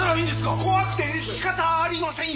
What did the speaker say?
怖くてしかたありませんよ